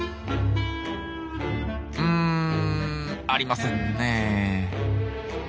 うんありませんねえ。